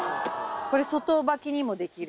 これ、外履きにもできる。